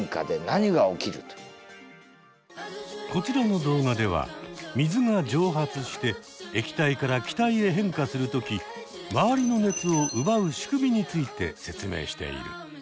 こちらの動画では水が蒸発して液体から気体へ変化するときまわりの熱を奪う仕組みについて説明している。